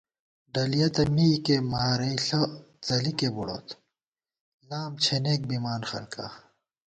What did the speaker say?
ڈلِیَہ تہ مِکےمارَئیݪہ څَلِکےبُڑوت لام چھېنېک بِمان خلکا